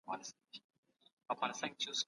د حکومت د اداري دنده خلکو ته مهمه ده.